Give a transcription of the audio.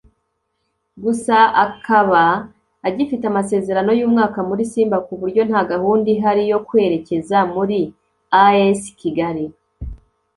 gusa akaba agifite amasezerano y’umwaka muri Simba ku buryo nta gahunda ihari yo kwerekeza muri As Kigali